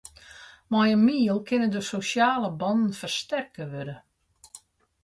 Mei in miel kinne de sosjale bannen fersterke wurde.